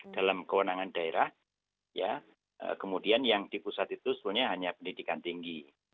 dalam kewenangan daerah ya kemudian yang di pusat itu sebenarnya hanya pendidikan tinggi